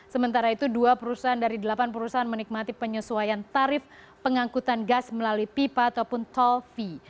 sementara itu dua perusahaan dari delapan perusahaan menikmati penyesuaian tarif pengangkutan gas melalui pipa ataupun tol fee